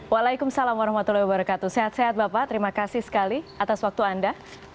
waalaikumsalam warahmatullahi wabarakatuh sehat sehat bapak terima kasih sekali atas waktu anda